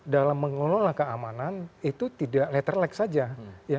dalam mengelola keamanan itu tidak letter lag saja